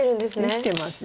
生きてます。